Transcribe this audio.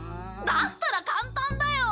だったら簡単だよ！